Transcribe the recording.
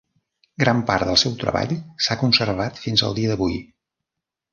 Gran part del seu treball s'ha conservat fins al dia d'avui.